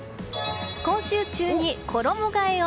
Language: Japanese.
今週中に衣替えを。